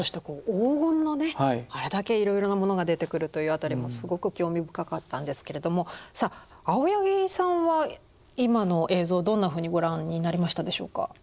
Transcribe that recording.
あれだけいろいろなものが出てくるという辺りもすごく興味深かったんですけれどもさあ青柳さんは今の映像をどんなふうにご覧になりましたでしょうか？